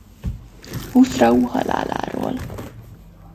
Huszrau haláláról.